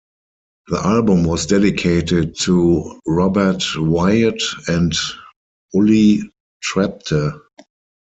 The album was dedicated to Robert Wyatt and Uli Trepte.